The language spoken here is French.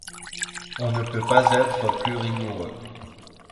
On ne peut pas être plus rigoureux